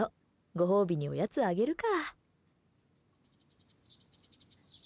ご褒美におやつあげるか。